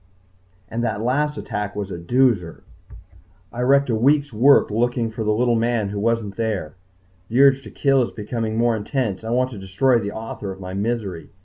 and that last attack was a doozer! I wrecked a week's work looking for the little man who wasn't there. The urge to kill is becoming more intense. I want to destroy the author of my misery.